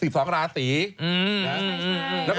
ฟันทง